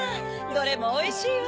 どれもおいしいわ。